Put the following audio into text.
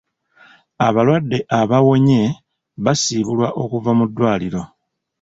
Abalwadde abawonye basiibulwa okuva mu ddwaliro.